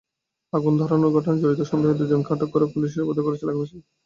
আগুন ধরানোর ঘটনায় জড়িত সন্দেহে দুজনকে আটক করে পুলিশে সোপর্দ করেছে এলাকাবাসী।